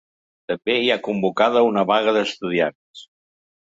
També hi ha convocada una vaga d’estudiants.